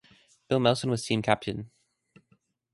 Bill Melson was team captain.